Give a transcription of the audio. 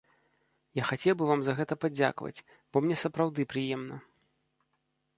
Я хацеў бы вам за гэта падзякаваць, бо мне сапраўды прыемна.